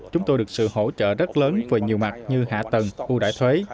chúng tôi được sự hỗ trợ rất lớn về nhiều mặt như hạ tầng ưu đại thuế